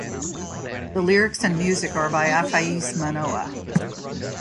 The lyrics and music are by Afaese Manoa.